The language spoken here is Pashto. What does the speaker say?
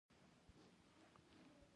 کله کله خو به یې د موبایل آواز لوړ و.